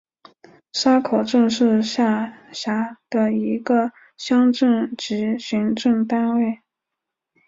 沙口镇是下辖的一个乡镇级行政单位。